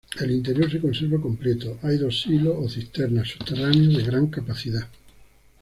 El interior se conserva completo, hay dos silos o cisternas subterráneos de gran capacidad.